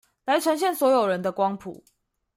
來呈現所有人的光譜